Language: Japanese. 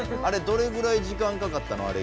あれどれぐらい時間かかったの？